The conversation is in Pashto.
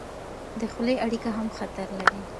د خولې اړیکه هم خطر لري.